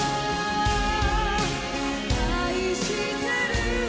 「愛してる」